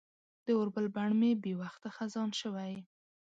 د اوربل بڼ مې بې وخته خزان شوی